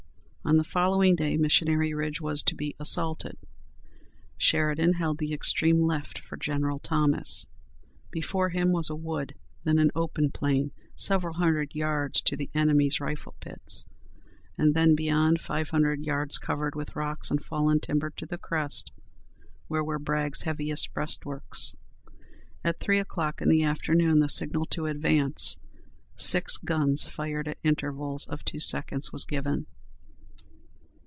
On the following day Missionary Ridge was to be assaulted. Sheridan held the extreme left for General Thomas. Before him was a wood, then an open plain, several hundred yards to the enemy's rifle pits; and then beyond, five hundred yards covered with rocks and fallen timber to the crest, where were Bragg's heaviest breastworks. At three o'clock in the afternoon the signal to advance six guns fired at intervals of two seconds was given.